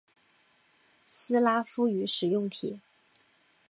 斯拉夫语使用体。